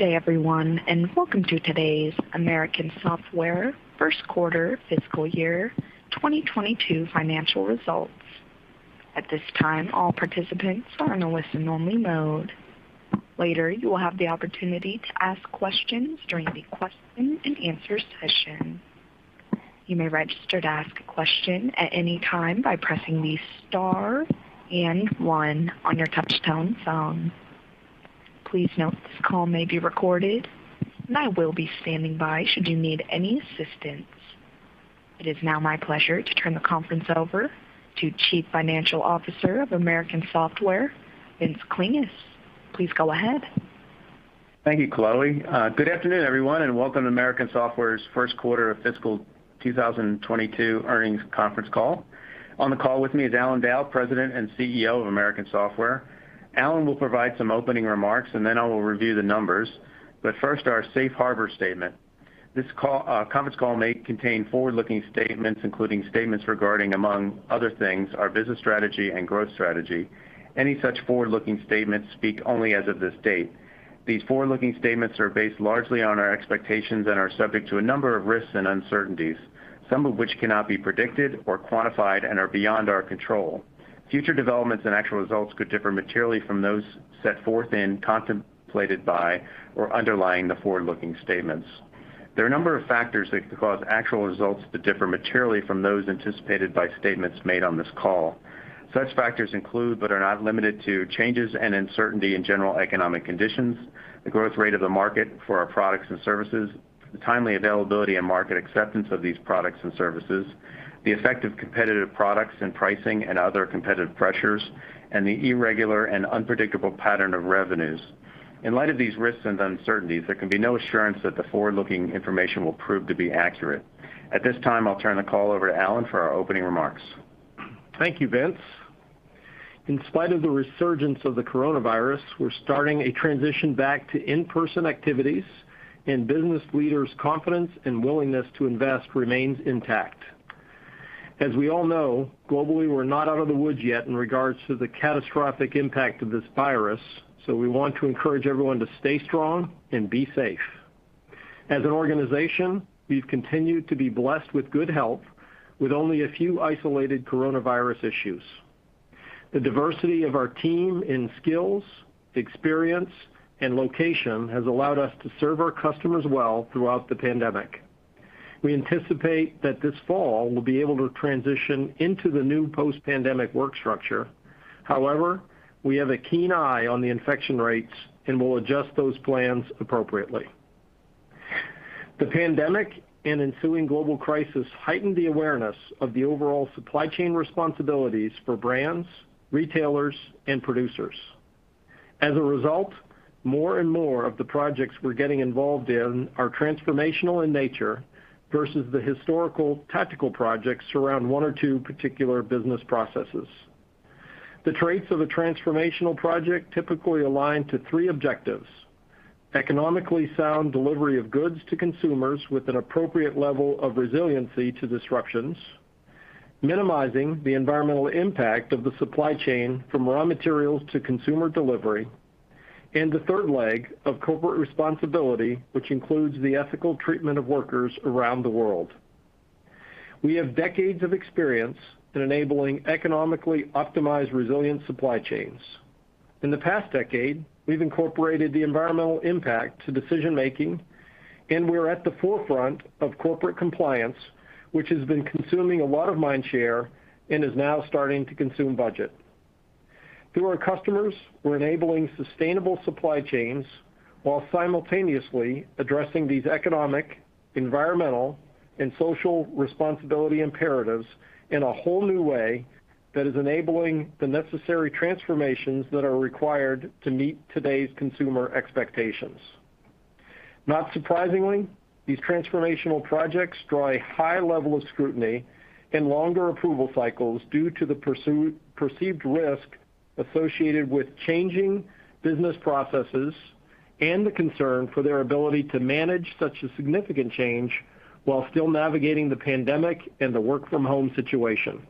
Good day everyone, and welcome to today's American Software first quarter fiscal year 2022 financial results. At this time all participants are in only listening mode. Later you'll have the opportunity to ask questions during the question-and-answer session. You may register to ask a question at any time by pressing the star and one on your touch-tone phone. Please note this call may be recorded and I will be standing by should you need any assistance. It is now my pleasure to turn the conference over to Chief Financial Officer of American Software, Vince Klinges. Please go ahead. Thank you, Chloe. Good afternoon, everyone, and welcome to American Software's first quarter of fiscal 2022 earnings conference call. On the call with me is Allan Dow, President and CEO of American Software. Allan will provide some opening remarks. Then I will review the numbers. First, our Safe Harbor statement. This conference call may contain forward-looking statements, including statements regarding, among other things, our business strategy and growth strategy. Any such forward-looking statements speak only as of this date. These forward-looking statements are based largely on our expectations and are subject to a number of risks and uncertainties, some of which cannot be predicted or quantified and are beyond our control. Future developments and actual results could differ materially from those set forth in, contemplated by, or underlying the forward-looking statements. There are a number of factors that could cause actual results to differ materially from those anticipated by statements made on this call. Such factors include, but are not limited to, changes and uncertainty in general economic conditions, the growth rate of the market for our products and services, the timely availability and market acceptance of these products and services, the effect of competitive products and pricing and other competitive pressures, and the irregular and unpredictable pattern of revenues. In light of these risks and uncertainties, there can be no assurance that the forward-looking information will prove to be accurate. At this time, I'll turn the call over to Allan for our opening remarks. Thank you, Vince. In spite of the resurgence of the coronavirus, we're starting a transition back to in-person activities, and business leaders' confidence and willingness to invest remains intact. As we all know, globally, we're not out of the woods yet in regards to the catastrophic impact of this virus, so we want to encourage everyone to stay strong and be safe. As an organization, we've continued to be blessed with good health with only a few isolated coronavirus issues. The diversity of our team in skills, experience, and location has allowed us to serve our customers well throughout the pandemic. We anticipate that this fall we'll be able to transition into the new post-pandemic work structure. However, we have a keen eye on the infection rates, and we'll adjust those plans appropriately. The pandemic and ensuing global crisis heightened the awareness of the overall supply chain responsibilities for brands, retailers, and producers. As a result, more and more of the projects we're getting involved in are transformational in nature versus the historical tactical projects around one or two particular business processes. The traits of a transformational project typically align to three objectives. Economically sound delivery of goods to consumers with an appropriate level of resiliency to disruptions, minimizing the environmental impact of the supply chain from raw materials to consumer delivery, and the third leg of corporate responsibility, which includes the ethical treatment of workers around the world. We have decades of experience in enabling economically optimized, resilient supply chains. In the past decade, we've incorporated the environmental impact to decision-making, and we're at the forefront of corporate compliance, which has been consuming a lot of mind share and is now starting to consume budget. Through our customers, we're enabling sustainable supply chains while simultaneously addressing these economic, environmental, and social responsibility imperatives in a whole new way that is enabling the necessary transformations that are required to meet today's consumer expectations. Not surprisingly, these transformational projects draw a high level of scrutiny and longer approval cycles due to the perceived risk associated with changing business processes and the concern for their ability to manage such a significant change while still navigating the pandemic and the work from home situation.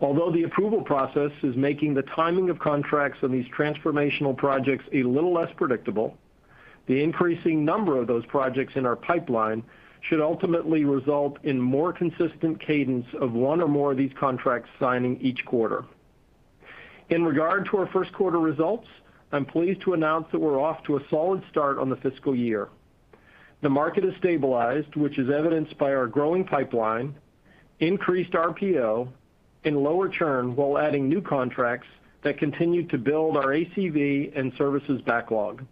Although the approval process is making the timing of contracts on these transformational projects a little less predictable, the increasing number of those projects in our pipeline should ultimately result in more consistent cadence of one or more of these contracts signing each quarter. In regard to our first quarter results, I'm pleased to announce that we're off to a solid start on the fiscal year. The market has stabilized, which is evidenced by our growing pipeline, increased RPO, and lower churn while adding new contracts that continue to build our ACV and services backlog.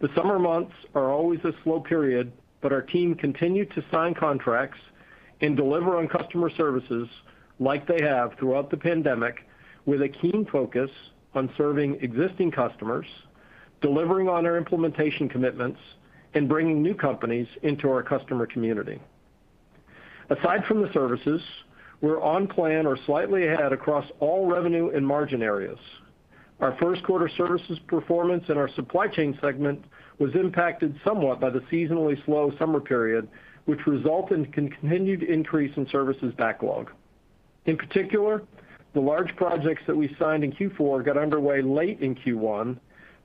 The summer months are always a slow period, but our team continued to sign contracts and deliver on customer services like they have throughout the pandemic with a keen focus on serving existing customers, delivering on our implementation commitments, and bringing new companies into our customer community. Aside from the services, we're on plan or slightly ahead across all revenue and margin areas. Our first quarter services performance in our supply chain segment was impacted somewhat by the seasonally slow summer period, which result in continued increase in services backlog. In particular, the large projects that we signed in Q4 got underway late in Q1,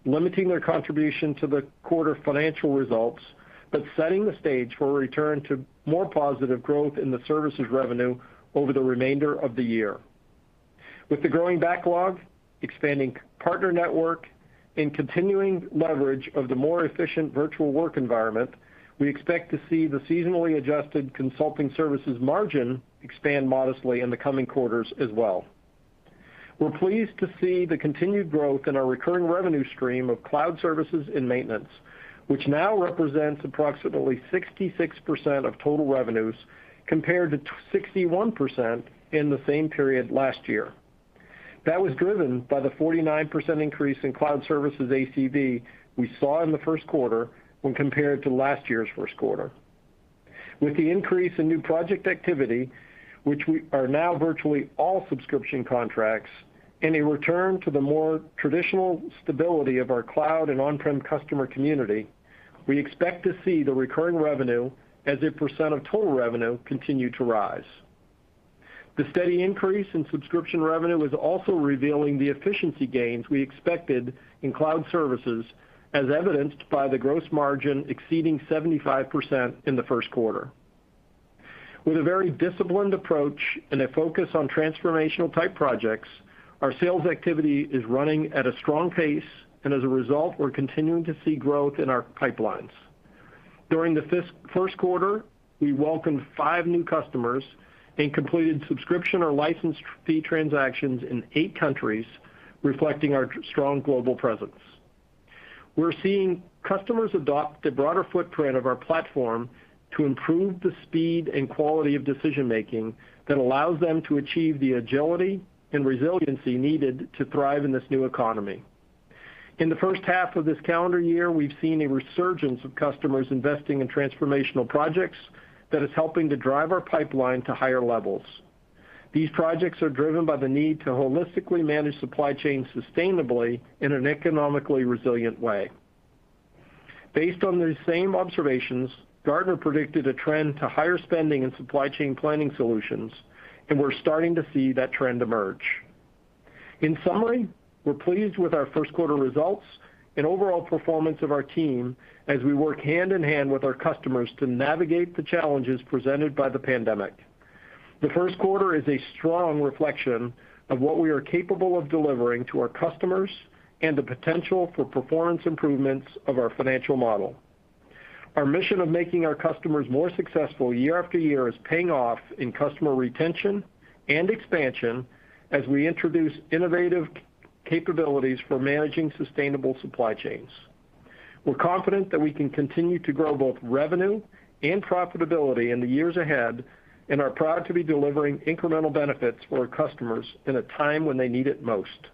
limiting their contribution to the quarter financial results, but setting the stage for a return to more positive growth in the services revenue over the remainder of the year. With the growing backlog, expanding partner network, and continuing leverage of the more efficient virtual work environment, we expect to see the seasonally adjusted consulting services margin expand modestly in the coming quarters as well. We're pleased to see the continued growth in our recurring revenue stream of cloud services and maintenance, which now represents approximately 66% of total revenues, compared to 61% in the same period last year. That was driven by the 49% increase in cloud services ACV we saw in the first quarter when compared to last year's first quarter. With the increase in new project activity, which are now virtually all subscription contracts, and a return to the more traditional stability of our cloud and on-prem customer community, we expect to see the recurring revenue as a percent of total revenue continue to rise. The steady increase in subscription revenue is also revealing the efficiency gains we expected in cloud services, as evidenced by the gross margin exceeding 75% in the first quarter. With a very disciplined approach and a focus on transformational type projects, our sales activity is running at a strong pace, and as a result, we're continuing to see growth in our pipelines. During the first quarter, we welcomed five new customers and completed subscription or license fee transactions in eight countries, reflecting our strong global presence. We're seeing customers adopt the broader footprint of our platform to improve the speed and quality of decision-making that allows them to achieve the agility and resiliency needed to thrive in this new economy. In the first half of this calendar year, we've seen a resurgence of customers investing in transformational projects that is helping to drive our pipeline to higher levels. These projects are driven by the need to holistically manage supply chain sustainably in an economically resilient way. Based on these same observations, Gartner predicted a trend to higher spending in supply chain planning solutions, and we're starting to see that trend emerge. In summary, we're pleased with our first quarter results and overall performance of our team as we work hand-in-hand with our customers to navigate the challenges presented by the pandemic. The first quarter is a strong reflection of what we are capable of delivering to our customers and the potential for performance improvements of our financial model. Our mission of making our customers more successful year after year is paying off in customer retention and expansion as we introduce innovative capabilities for managing sustainable supply chains. We're confident that we can continue to grow both revenue and profitability in the years ahead and are proud to be delivering incremental benefits for our customers in a time when they need it most.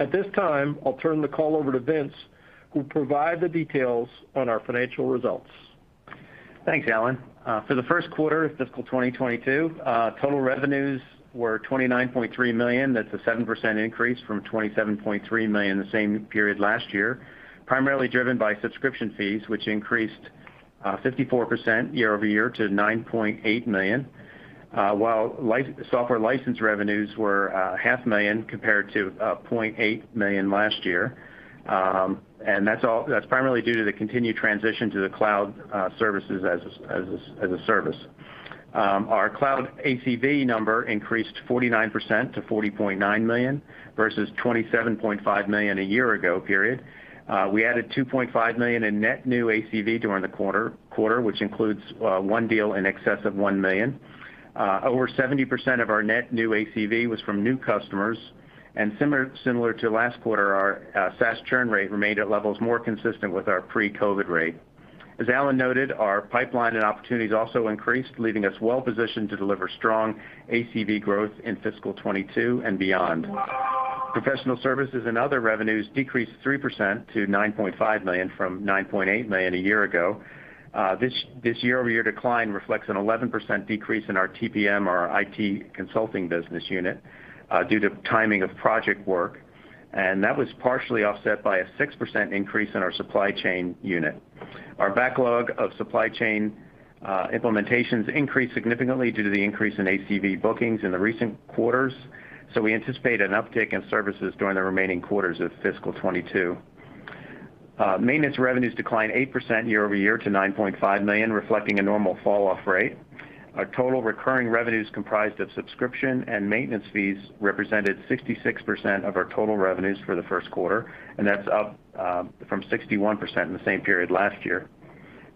At this time, I'll turn the call over to Vince, who'll provide the details on our financial results. Thanks, Allan. For the first quarter of fiscal 2022, total revenues were $29.3 million. That's a 7% increase from $27.3 million the same period last year, primarily driven by subscription fees, which increased 54% year-over-year to $9.8 million, while software license revenues were $half million compared to $0.8 million last year. That's primarily due to the continue transition to the cloud services as a service. Our cloud ACV number increased 49% to $40.9 million versus $27.5 million a year ago period. We added $2.5 million in net new ACV during the quarter, which includes one deal in excess of $1 million. Over 70% of our net new ACV was from new customers, and similar to last quarter, our SaaS churn rate remained at levels more consistent with our pre-COVID rate. As Allan noted, our pipeline and opportunities also increased, leaving us well positioned to deliver strong ACV growth in Fiscal 2022 and beyond. Professional services and other revenues decreased 3% to $9.5 million from $9.8 million a year ago. This year-over-year decline reflects an 11% decrease in our TPM, our IT consulting business unit, due to timing of project work, and that was partially offset by a 6% increase in our supply chain unit. Our backlog of supply chain implementations increased significantly due to the increase in ACV bookings in the recent quarters, so we anticipate an uptick in services during the remaining quarters of fiscal 2022. Maintenance revenues declined 8% year-over-year to $9.5 million, reflecting a normal fall-off rate. Our total recurring revenues comprised of subscription and maintenance fees represented 66% of our total revenues for the first quarter, that's up from 61% in the same period last year.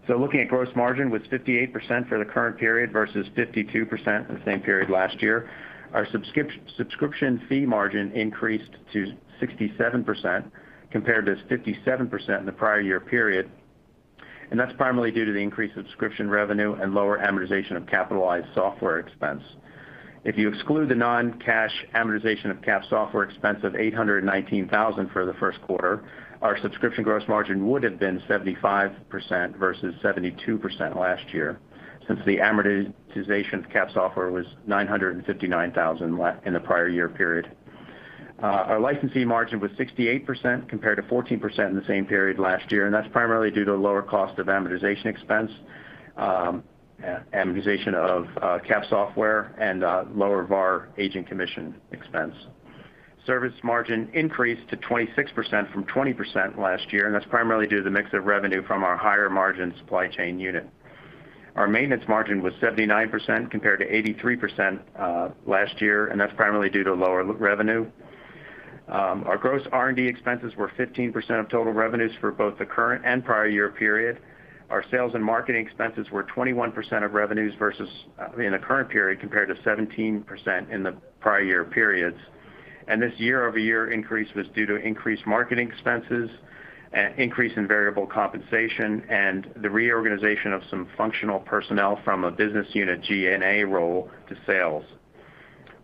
Looking at gross margin was 58% for the current period versus 52% in the same period last year. Our subscription fee margin increased to 67%, compared to 57% in the prior year period, that's primarily due to the increased subscription revenue and lower amortization of capitalized software expense. If you exclude the non-cash amortization of cap software expense of $819,000 for the first quarter, our subscription gross margin would have been 75% versus 72% last year, since the amortization of cap software was $959,000 in the prior year period. Our licensing margin was 68%, compared to 14% in the same period last year. That's primarily due to a lower cost of amortization expense, amortization of cap software, and lower VAR agent commission expense. Service margin increased to 26% from 20% last year. That's primarily due to the mix of revenue from our higher margin supply chain unit. Our maintenance margin was 79% compared to 83% last year. That's primarily due to lower revenue. Our gross R&D expenses were 15% of total revenues for both the current and prior year period. Our sales and marketing expenses were 21% of revenues in the current period compared to 17% in the prior year periods. This year-over-year increase was due to increased marketing expenses, increase in variable compensation, and the reorganization of some functional personnel from a business unit G&A role to sales.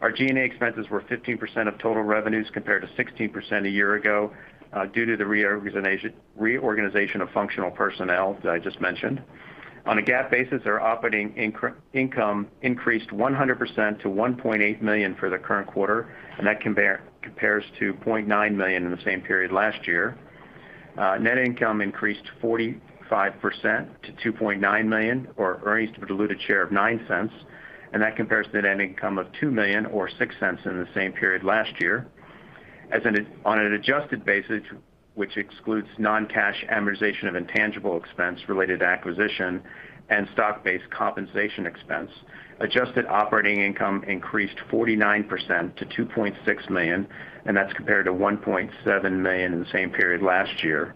Our G&A expenses were 15% of total revenues compared to 16% a year ago due to the reorganization of functional personnel that I just mentioned. On a GAAP basis, our operating income increased 100% to $1.8 million for the current quarter, and that compares to $0.9 million in the same period last year. Net income increased 45% to $2.9 million or earnings per diluted share of $0.09, and that compares to net income of $2 million or $0.06 in the same period last year. On an adjusted basis, which excludes non-cash amortization of intangible expense related to acquisition and stock-based compensation expense, adjusted operating income increased 49% to $2.6 million. That's compared to $1.7 million in the same period last year.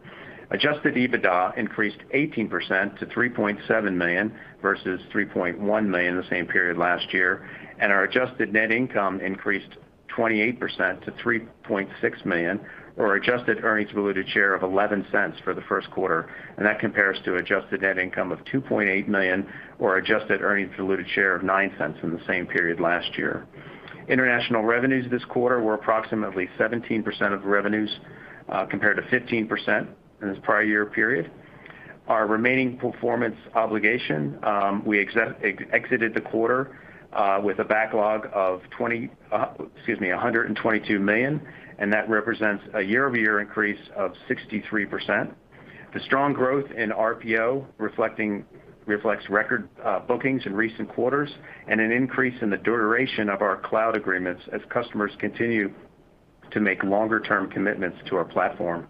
Adjusted EBITDA increased 18% to $3.7 million versus $3.1 million in the same period last year. Our adjusted net income increased 28% to $3.6 million or adjusted earnings per diluted share of $0.11 for the first quarter. That compares to adjusted net income of $2.8 million or adjusted earnings per diluted share of $0.09 in the same period last year. International revenues this quarter were approximately 17% of revenues compared to 15% in this prior year period. Our remaining performance obligation, we exited the quarter with a backlog of $122 million. That represents a year-over-year increase of 63%. The strong growth in RPO reflects record bookings in recent quarters and an increase in the duration of our cloud agreements as customers continue to make longer-term commitments to our platform.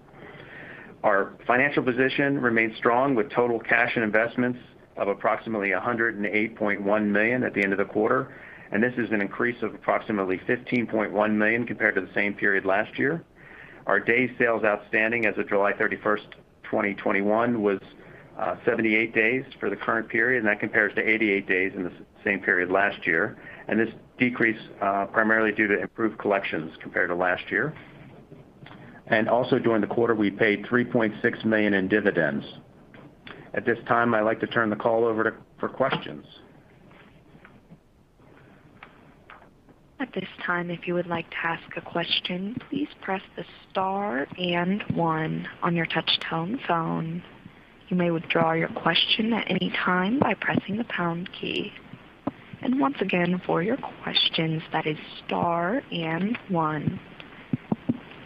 Our financial position remains strong with total cash and investments of approximately $108.1 million at the end of the quarter, and this is an increase of approximately $15.1 million compared to the same period last year. Our day sales outstanding as of July 31st, 2021 was 78 days for the current period, and that compares to 88 days in the same period last year. This decrease primarily due to improved collections compared to last year. Also during the quarter, we paid $3.6 million in dividends. At this time, I'd like to turn the call over for questions. At this time if you would like to ask a question please press the star and one on your touch tone phone. You may withdraw your question at any time by pressing the pound key. And once again for your questions, that is star and one.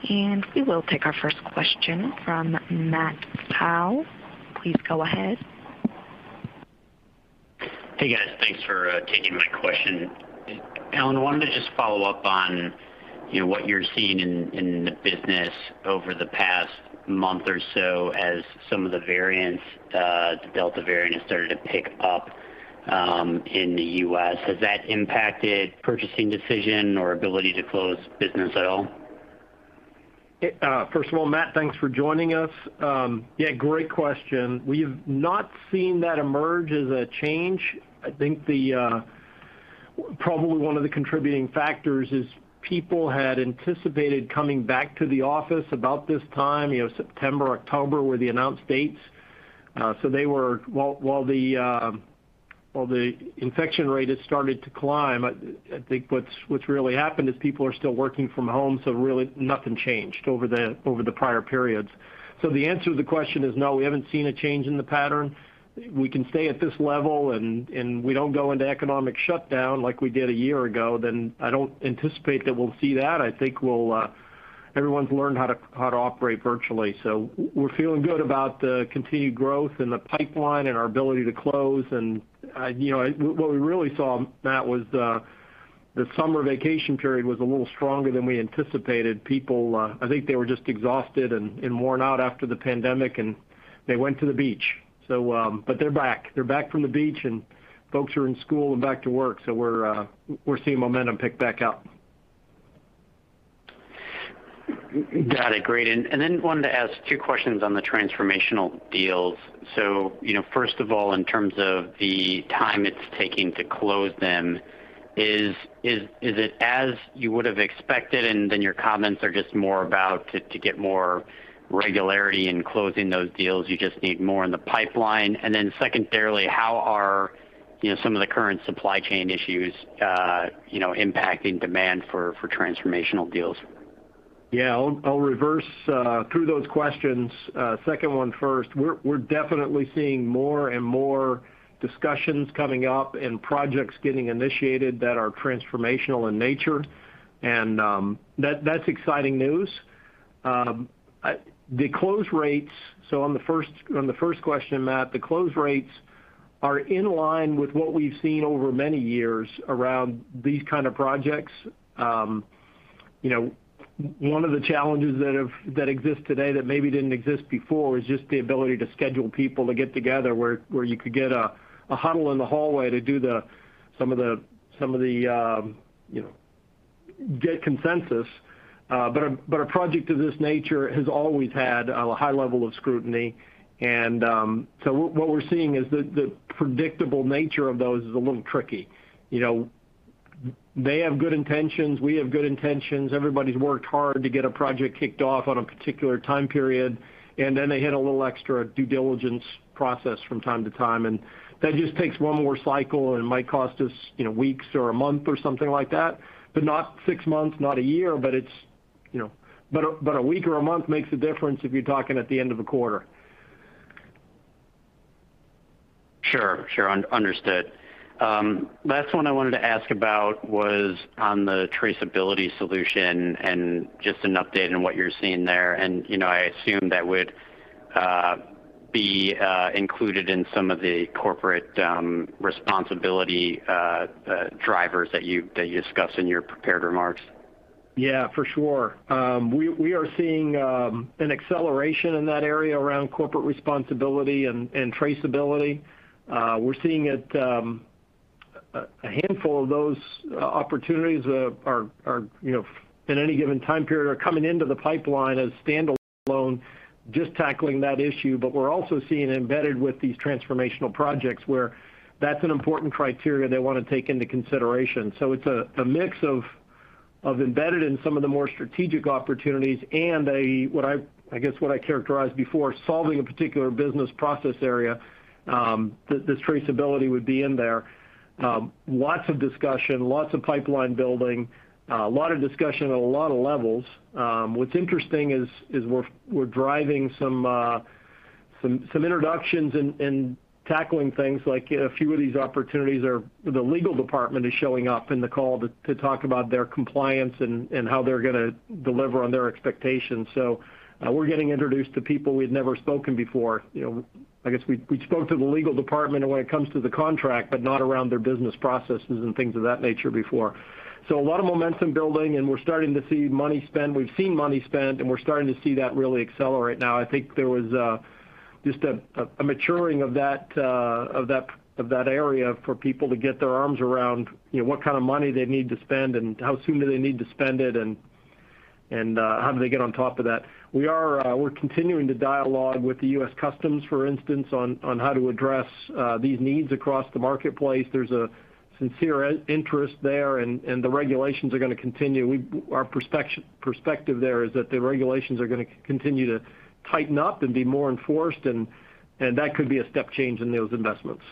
We will take our first question from Matt Pfau. Please go ahead. Hey, guys. Thanks for taking my question. Allan, wanted to just follow up on what you're seeing in the business over the past month or so as some of the variants, the Delta variant, has started to pick up in the U.S. Has that impacted purchasing decision or ability to close business at all? First of all, Matt, thanks for joining us. Yeah, great question. We've not seen that emerge as a change. I think probably one of the contributing factors is people had anticipated coming back to the office about this time, September, October, were the announced dates. While the infection rate has started to climb, I think what's really happened is people are still working from home, so really nothing changed over the prior periods. The answer to the question is no, we haven't seen a change in the pattern. We can stay at this level, and we don't go into economic shutdown like we did a year ago, then I don't anticipate that we'll see that. I think everyone's learned how to operate virtually. We're feeling good about the continued growth in the pipeline and our ability to close. What we really saw, Matt, was the summer vacation period was a little stronger than we anticipated. People, I think they were just exhausted and worn out after the pandemic, and they went to the beach. They're back. They're back from the beach, and folks are in school and back to work. We're seeing momentum pick back up. Got it. Great. Wanted to ask two questions on the transformational deals. First of all, in terms of the time it's taking to close them, is it as you would have expected, and then your comments are just more about to get more regularity in closing those deals, you just need more in the pipeline? Secondarily, how are some of the current supply chain issues impacting demand for transformational deals? Yeah. I'll reverse through those questions. Second one first. We're definitely seeing more and more discussions coming up and projects getting initiated that are transformational in nature, and that's exciting news. The close rates, on the first question, Matt, the close rates are in line with what we've seen over many years around these kind of projects. One of the challenges that exist today that maybe didn't exist before is just the ability to schedule people to get together, where you could get a huddle in the hallway to get consensus. A project of this nature has always had a high level of scrutiny. What we're seeing is the predictable nature of those is a little tricky. They have good intentions. We have good intentions. Everybody's worked hard to get a project kicked off on a particular time period, they hit a little extra due diligence process from time to time, that just takes one more cycle and it might cost us weeks or a month, or something like that. Not six months, not a year, but a week or a month makes a difference if you're talking at the end of a quarter. Sure. Understood. Last one I wanted to ask about was on the traceability solution and just an update on what you're seeing there. I assume that would be included in some of the corporate responsibility drivers that you discussed in your prepared remarks. Yeah, for sure. We are seeing an acceleration in that area around corporate responsibility and traceability. We're seeing a handful of those opportunities in any given time period are coming into the pipeline as standalone, just tackling that issue. We're also seeing embedded with these transformational projects where that's an important criteria they want to take into consideration. It's a mix of embedded in some of the more strategic opportunities and, I guess what I characterized before, solving a particular business process area, that this traceability would be in there. Lots of discussion, lots of pipeline building. A lot of discussion on a lot of levels. What's interesting is we're driving some introductions and tackling things, like a few of these opportunities are the legal department is showing up in the call to talk about their compliance and how they're going to deliver on their expectations. We're getting introduced to people we'd never spoken before. I guess we'd spoke to the legal department when it comes to the contract, but not around their business processes and things of that nature before. A lot of momentum building, and we're starting to see money spent. We've seen money spent, and we're starting to see that really accelerate now. I think there was just a maturing of that area for people to get their arms around what kind of money they need to spend and how soon do they need to spend it, and how do they get on top of that. We're continuing to dialogue with the U.S. Customs, for instance, on how to address these needs across the marketplace. There's a sincere interest there, and the regulations are going to continue. Our perspective there is that the regulations are going to continue to tighten up and be more enforced, and that could be a step change in those investments.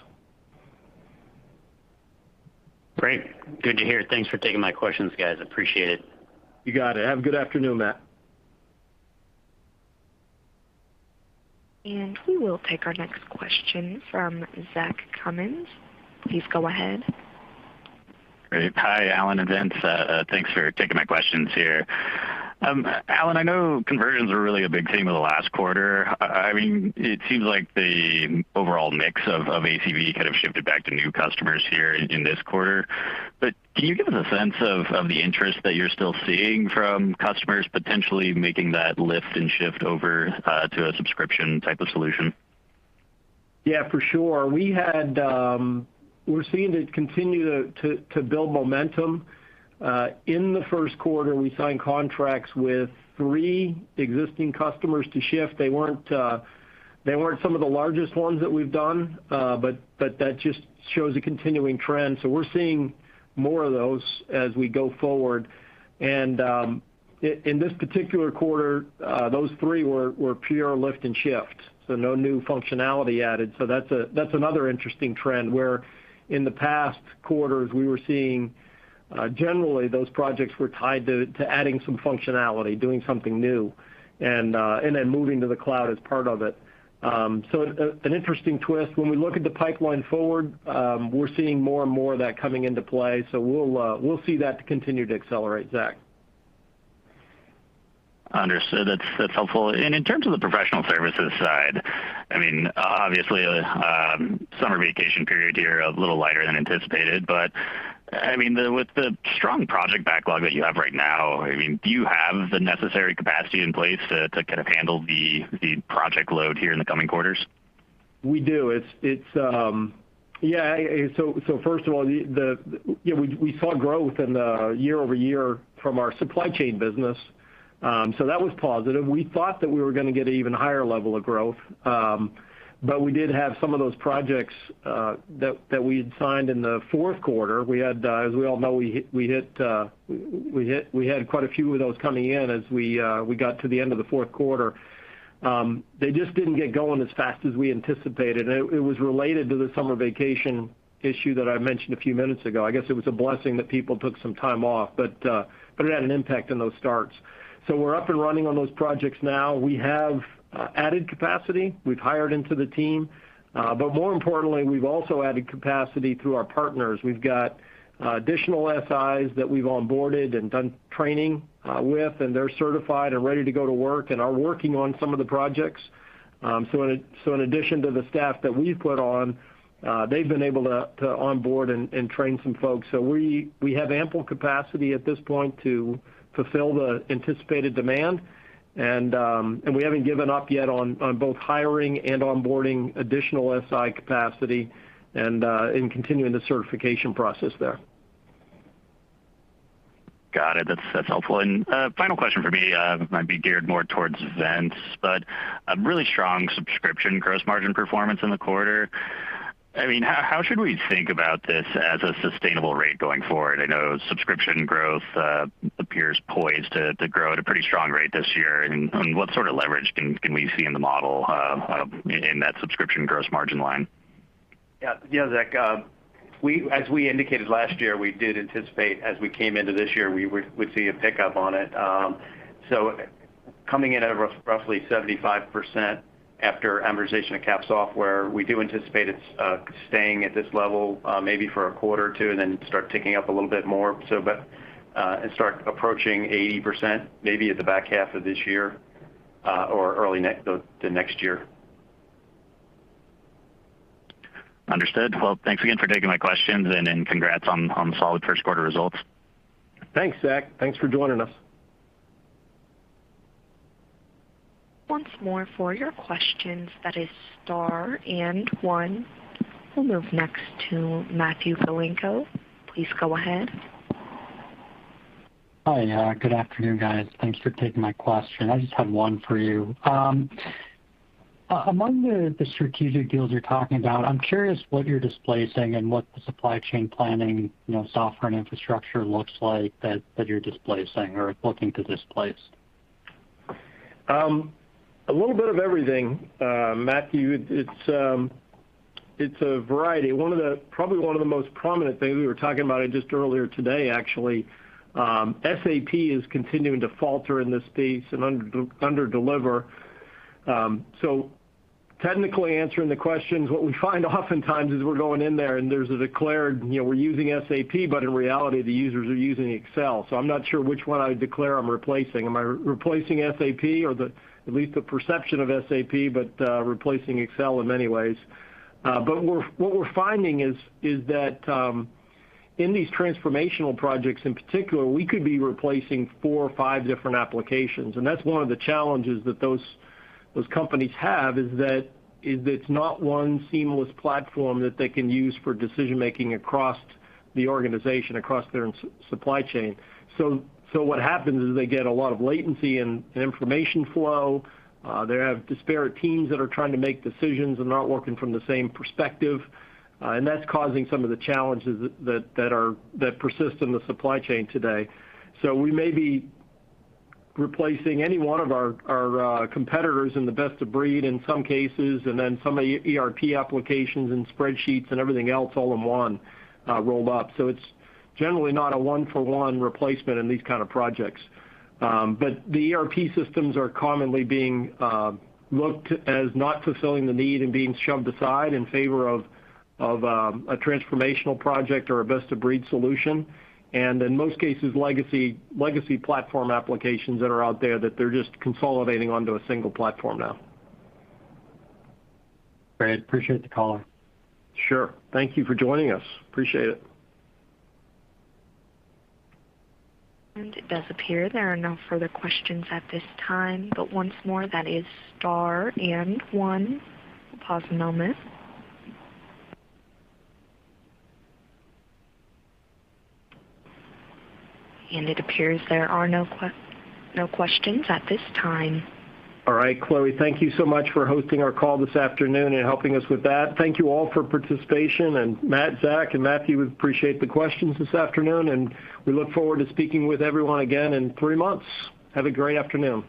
Great. Good to hear. Thanks for taking my questions, guys. Appreciate it. You got it. Have a good afternoon, Matt. We will take our next question from Zach Cummins. Please go ahead. Great. Hi, Allan and Vincent. Thanks for taking my questions here. Allan, I know conversions were really a big theme of the last quarter. It seems like the overall mix of ACV kind of shifted back to new customers here in this quarter. Can you give us a sense of the interest that you're still seeing from customers, potentially making that lift and shift over to a subscription type of solution? Yeah, for sure. We're seeing it continue to build momentum. In the first quarter, we signed contracts with three existing customers to shift. They weren't some of the largest ones that we've done, but that just shows a continuing trend. We're seeing more of those as we go forward. In this particular quarter, those three were pure lift and shift, so no new functionality added. That's another interesting trend, where in the past quarters we were seeing generally those projects were tied to adding some functionality, doing something new, and then moving to the cloud as part of it. An interesting twist. When we look at the pipeline forward, we're seeing more and more of that coming into play, so we'll see that continue to accelerate, Zach. Understood. That's helpful. In terms of the professional services side, obviously, the summer vacation period here, a little lighter than anticipated. With the strong project backlog that you have right now, do you have the necessary capacity in place to handle the project load here in the coming quarters? We do. First of all, we saw growth in the year-over-year from our supply chain business. That was positive. We thought that we were going to get an even higher level of growth, we did have some of those projects that we had signed in the fourth quarter. As we all know, we had quite a few of those coming in as we got to the end of the fourth quarter. They just didn't get going as fast as we anticipated, and it was related to the summer vacation issue that I mentioned a few minutes ago. I guess it was a blessing that people took some time off, it had an impact on those starts. We're up and running on those projects now. We have added capacity. We've hired into the team. More importantly, we've also added capacity through our partners. We've got additional SIs that we've onboarded and done training with, and they're certified and ready to go to work and are working on some of the projects. In addition to the staff that we've put on, they've been able to onboard and train some folks. We have ample capacity at this point to fulfill the anticipated demand, and we haven't given up yet on both hiring and onboarding additional SI capacity and in continuing the certification process there. Got it. That's helpful. Final question from me, might be geared more towards Vincent, but a really strong subscription gross margin performance in the quarter. How should we think about this as a sustainable rate going forward? I know subscription growth appears poised to grow at a pretty strong rate this year, and what sort of leverage can we see in the model in that subscription gross margin line? Yeah, Zach, as we indicated last year, we did anticipate as we came into this year, we would see a pickup on it. Coming in at roughly 75% after amortization of cap software, we do anticipate it staying at this level maybe for a quarter or two and then start ticking up a little bit more, and start approaching 80% maybe at the back half of this year or early the next year. Understood. Well, thanks again for taking my questions and then congrats on the solid first quarter results. Thanks, Zach. Thanks for joining us. Once more for your questions, that is star and one. We'll move next to Matthew Galinko. Please go ahead. Hi. Good afternoon, guys. Thanks for taking my question. I just have one for you. Among the strategic deals you're talking about, I'm curious what you're displacing and what the supply chain planning software and infrastructure looks like that you're displacing or looking to displace. A little bit of everything, Matthew. It's a variety. Probably one of the most prominent things, we were talking about it just earlier today, actually. SAP is continuing to falter in this space and underdeliver. Technically answering the questions, what we find oftentimes is we're going in there and there's a declared, we're using SAP, but in reality, the users are using Excel. I'm not sure which one I would declare I'm replacing. Am I replacing SAP or at least the perception of SAP, but replacing Excel in many ways? What we're finding is that in these transformational projects in particular, we could be replacing four or five different applications, and that's one of the challenges that those companies have is it's not one seamless platform that they can use for decision making across the organization, across their supply chain. What happens is they get a lot of latency in information flow. They have disparate teams that are trying to make decisions and not working from the same perspective. That's causing some of the challenges that persist in the supply chain today. We may be replacing any one of our competitors in the best-of-breed in some cases, and then some ERP applications and spreadsheets and everything else all in one rolled up. It's generally not a one for one replacement in these kind of projects. The ERP systems are commonly being looked as not fulfilling the need and being shoved aside in favor of a transformational project or a best-of-breed solution. In most cases, legacy platform applications that are out there that they're just consolidating onto a single platform now. Great. Appreciate the call. Sure. Thank you for joining us. Appreciate it. It does appear there are no further questions at this time, but once more, that is star and one. We'll pause a moment. It appears there are no questions at this time. All right, Chloe, thank you so much for hosting our call this afternoon and helping us with that. Thank you all for participation, and Matt, Zach and Matthew, we appreciate the questions this afternoon, and we look forward to speaking with everyone again in three months. Have a great afternoon.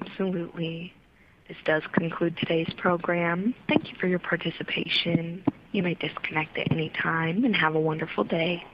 Absolutely. This does conclude today's program. Thank you for your participation. You may disconnect at any time, and have a wonderful day.